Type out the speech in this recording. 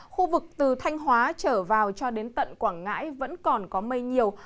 khu vực từ thanh hóa trở vào cho đến tận quảng ngãi vẫn còn có mây nhiều